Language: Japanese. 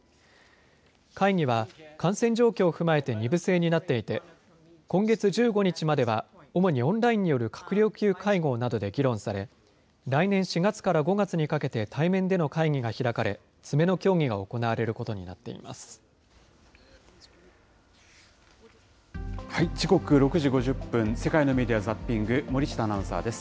会議は感染状況を踏まえて２部制になっていて、今月１５日までは主にオンラインによる閣僚級会合などで議論され、来年４月から５月にかけて対面での会議が開かれ、詰めの協議が行時刻、６時５０分、世界のメディア・ザッピング、森下アナウンサーです。